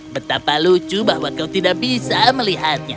betapa lucu bahwa kau tidak bisa melihatnya